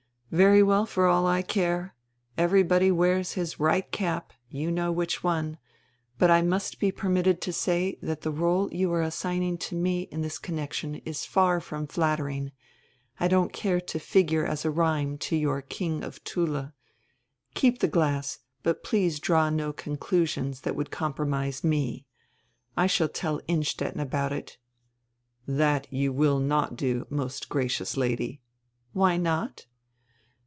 "Very well, for all I care. Everybody wears his right cap; you know which one. But I must he permitted to say that the role you are assigning to me in this connection is far from flattering. I don't care to figure as a rhyme to your King of Thule. Keep the glass, hut please draw no conclusions that would compromise me. I shall tell Innstetten ahout it." "That you will not do, most gracious Lady." "Why not?"